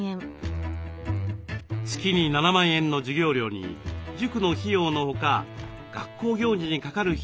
月に７万円の授業料に塾の費用のほか学校行事にかかる費用も。